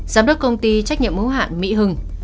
giám đốc công ty trách nhiệm hữu hạn mỹ hưng